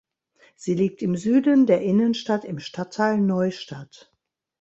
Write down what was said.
Sie liegt im Süden der Innenstadt im Stadtteil Neustadt.